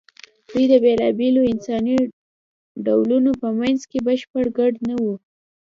دوی د بېلابېلو انساني ډولونو په منځ کې بشپړ ګډ نه وو.